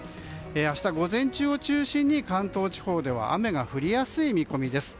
明日午前中を中心に関東地方では雨が降りやすい見込みです。